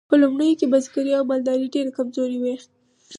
په لومړیو کې بزګري او مالداري ډیرې کمزورې وې.